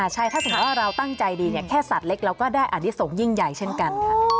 ใช่ถ้าสมมุติว่าเราตั้งใจดีแค่สัตว์เล็กเราก็ได้อนิสงฆ์ยิ่งใหญ่เช่นกันค่ะ